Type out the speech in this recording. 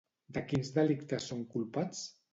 De quins delictes són culpats?